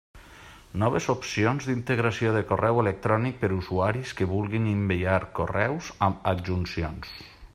Noves opcions d'integració de correu electrònic per usuaris que vulguin enviar correus amb adjuncions.